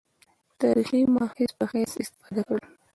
تاریخي مأخذ په حیث استفاده کړې.